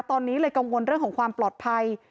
ตอนนี้เลยกังวลเรื่องของความปลอดภัย